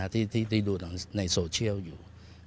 ที่ได้ดูในโซเชียลอยู่